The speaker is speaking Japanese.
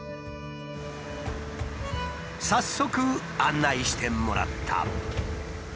早速案内してもらった。